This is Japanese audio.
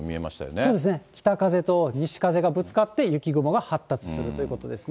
そうですね、北風と西風がぶつかって、雪雲が発達するということですね。